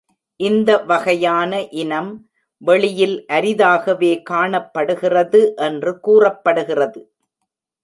இந்த வகையான இனம் வெளியில் அரிதாகவே காணப்படுகிறது என்று கூறப்படுகிறது.